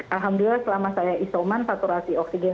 alhamdulillah selama saya isoman saturasi oksigen